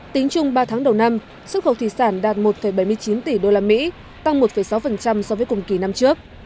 tính chung ba tháng đầu năm xuất khẩu thủy sản đạt một bảy mươi chín tỷ usd tăng một sáu so với cùng kỳ năm trước